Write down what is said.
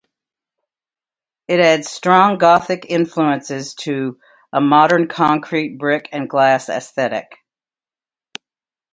It adds strong Gothic influences to a Modern concrete, brick, and glass aesthetic.